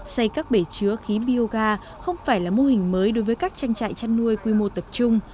xây các bể chứa khí bioga không phải là mô hình mới đối với các tranh trại chăn nuôi quy mô tập trung